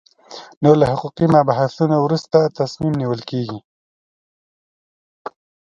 نو له حقوقي مبحثونو وروسته تصمیم نیول کېږي.